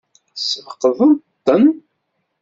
Tesfeqdeḍ-ten?